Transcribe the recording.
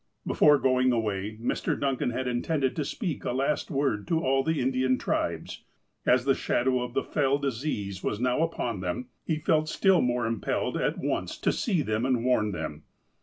Before going away, Mr. Duncan had intended to speak a last word to all the Indian tribes. As the shadow of the fell disease was now upon them, he felt still more impelled at once to see them and warn them.